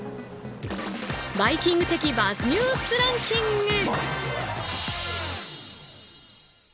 「バイキング」的Ｂｕｚｚニュースランキング。